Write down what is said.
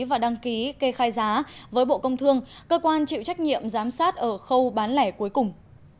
và đăng ký kê khai giá với bộ công thương cơ quan chịu trách nhiệm giám sát ở khâu bán lẻ cuối cùng